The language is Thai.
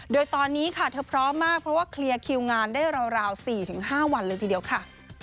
โดยตอนนี้ค่ะเธอพร้อมมากเพราะว่าเคลียร์คิวงานได้ราว๔๕วันเลยทีเดียวค่ะ